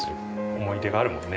思い出があるもんね。